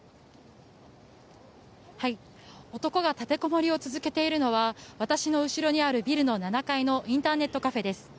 男が立てこもりを続けているのは私の後ろにあるビルの７階のインターネットカフェです。